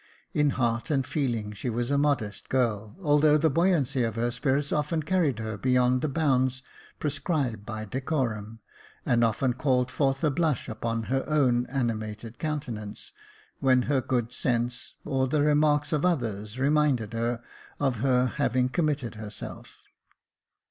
In heart and feeling she was a modest girl, although the buoyancy of her spirits often carried her beyond the bounds prescribed by decorum, and often called forth a blush upon her own animated countenance, when her good sense, or the remarks of others, reminded her of her having committed herself.